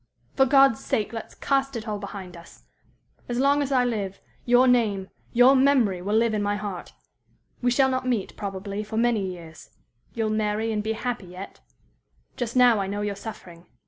For God's sake, let's cast it all behind us! As long as I live, your name, your memory will live in my heart. We shall not meet, probably, for many years. You'll marry and be happy yet. Just now I know you're suffering.